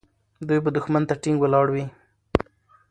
دوی به دښمن ته ټینګ ولاړ وي.